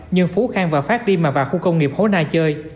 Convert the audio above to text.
nhưng phú khang và phát đi mà vào khu công nghiệp khối nai chơi